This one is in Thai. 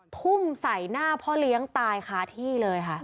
ทุ่มใส่หน้าพ่อเลี้ยงตายคาที่เลยค่ะ